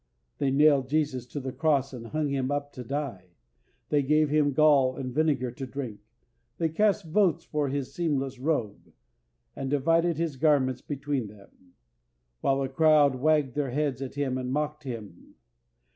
They nailed Jesus to the cross and hung Him up to die; they gave Him gall and vinegar to drink; they cast votes for His seamless robe, and divided His garments between them, while the crowd wagged their heads at Him and mocked Him.